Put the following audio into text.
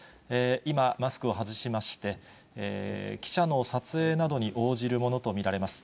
今、マスクを外しまして、記者の撮影などに応じるものと見られます。